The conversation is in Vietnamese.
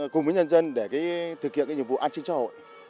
cùng với nhân dân để thực hiện nhiệm vụ an sinh xã hội